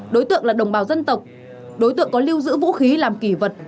đối tượng là đồng bào dân tộc đối tượng có lưu giữ vũ khí làm kỷ vật